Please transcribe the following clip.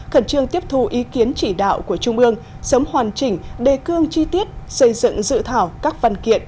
khẩn trương tiếp thu ý kiến chỉ đạo của trung ương sớm hoàn chỉnh đề cương chi tiết xây dựng dự thảo các văn kiện